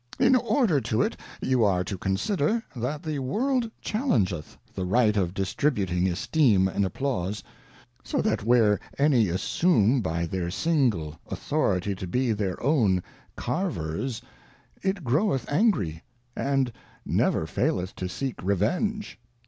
In order to it, you are to consider, that the World challengeth the right of distributing Esteem and Applause ; so that where any assume by their single Authority to be their own Carvers, it groweth angry, and never faileth to seek Revenge.